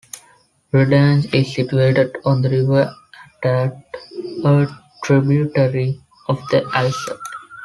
Redange is situated on the river Attert, a tributary of the Alzette.